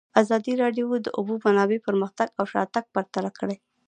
ازادي راډیو د د اوبو منابع پرمختګ او شاتګ پرتله کړی.